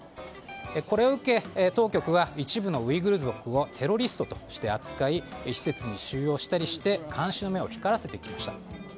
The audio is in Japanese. これを受け当局は一部のウイグル族をテロリストとして扱い施設に収容したりして監視の目を光らせてきました。